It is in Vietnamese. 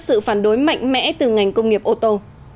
sự phản đối mạnh mẽ từ ngành công nghiệp ô tô